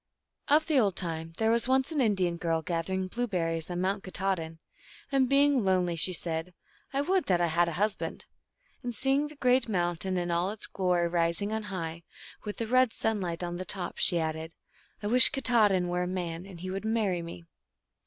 OF the old time. There was once an Indian girl gathering blueberries on Mount Katahdin. And, be ing lonely, she said, " I would that I had a hus band !" And seeing the great mountain in all its glory rising on high, with the red sunlight on the top, she added, " I wish Katahdin were a man, and would marry me